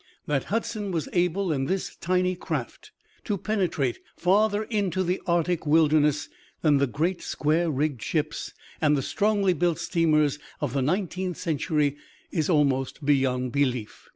That Hudson was able in this tiny craft to penetrate farther into the arctic wilderness than the great square rigged ships and the strongly built steamers of the nineteenth century, is almost beyond belief.